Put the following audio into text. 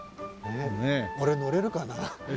俺乗れるかな？